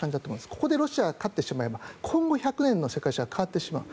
ここでロシアが勝ってしまえば今後１００年の世界史は変わってしまう。